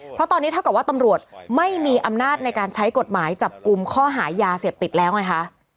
เพราะตอนนี้เท่ากับว่าตำรวจไม่มีอำนาจในการใช้กฎหมายจับกลุ่มข้อหายาเสพติดแล้วไงคะ